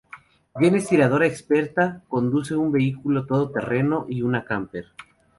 Jen es una tiradora experta, conduce un vehículo todo terreno y una camper.